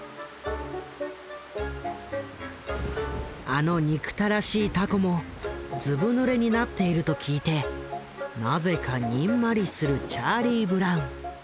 あの憎たらしい凧もずぶぬれになっていると聞いてなぜかにんまりするチャーリー・ブラウン。